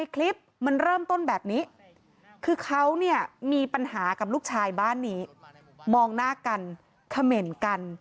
คือเขามีปัญหากับลูกชายบ้านนี้มองหน้ากันเขม่นกัน